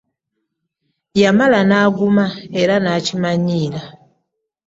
Yamala naguma era nakimanyiira .